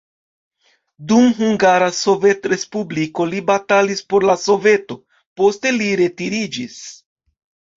Dum Hungara Sovetrespubliko li batalis por la Soveto, poste li retiriĝis.